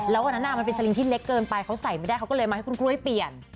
แล้ววันนั้นมันเป็นสลิงที่เล็กเกินไปเขาใส่ไม่ได้เขาก็เลยมาให้คุณกล้วยเปลี่ยน